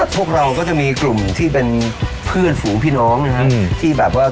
พวกเราก็จะมีกลุ่มที่เป็นเพื่อนฝูงพี่น้องนะฮะ